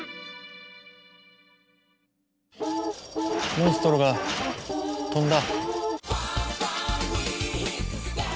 モンストロが飛んだ。